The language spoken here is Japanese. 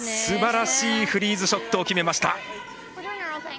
すばらしいフリーズショットを決めました。